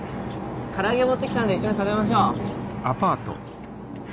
唐揚げ持って来たんで一緒に食べましょう。